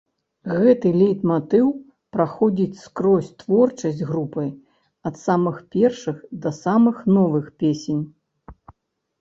Гэты лейтматыў праходзіць скрозь творчасць групы, ад самых першых да самых новых песень.